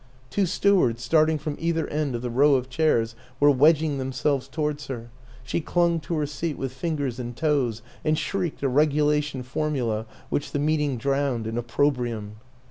Two stewards, starting from either end of the row of chairs, were wedg ing themselves towards her; she clung to her seat with fingers and toes, and shrieked a regulation formula which the meeting drowned in oppro brium.